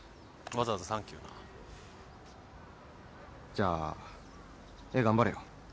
じゃ絵頑張れよ。